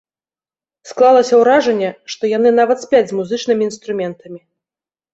Склалася ўражанне, што яны нават спяць з музычнымі інструментамі.